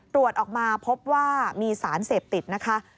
ตรวจออกมาพบว่ามีสารเสพติดนะคะ